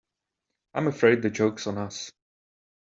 I'm afraid the joke's on us.